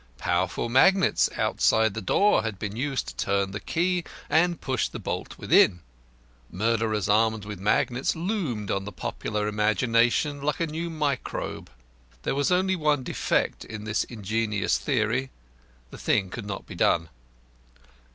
Powerful magnets outside the door had been used to turn the key and push the bolt within. Murderers armed with magnets loomed on the popular imagination like a new microbe. There was only one defect in this ingenious theory the thing could not be done.